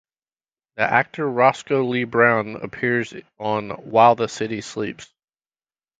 The actor Roscoe Lee Browne appears on "While the City Sleeps".